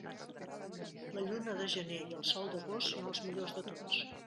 La lluna de gener i el sol d'agost són els millors de tots.